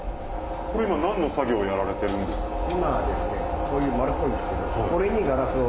これ今何の作業やられてるんですか？